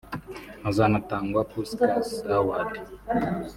Hazanatangwa Puskás Award